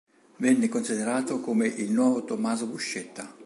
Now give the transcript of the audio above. Venne considerato come il "nuovo Tommaso Buscetta".